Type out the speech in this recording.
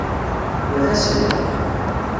Wa d asga.